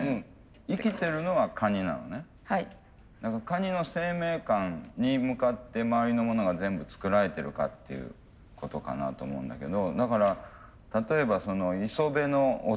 カニの生命感に向かって周りのものが全部作られているかっていうことかなと思うんだけどだから例えば磯辺の音みたいな感じ